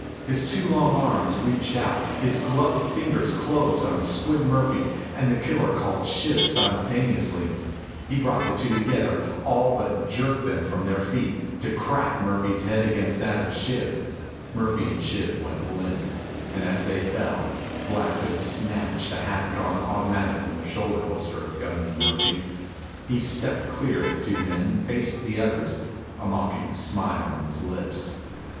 His two long arms reached out. His gloved fingers closed on Squid Murphy and the killer called Shiv simultaneously. He brought the two together, all but jerked them from their feet, to crack Murphy's head against that of Shiv. Murphy and Shiv went limp, and as they fell, Black Hood snatched a half drawn automatic from the shoulder holster of gunman Murphy. He stepped clear of the two men, faced the others, a mocking smile on his lips.